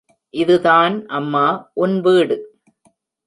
இதுதான் அம்மா உன் வீடு.